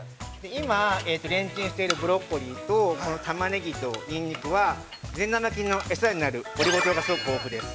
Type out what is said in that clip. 今レンチンしているブロッコリーとこのタマネギとニンニクは、善玉菌の餌になるオリゴ糖が非常に豊富です。